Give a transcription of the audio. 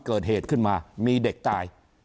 เกิดเหตุขึ้นมามีเด็กตาย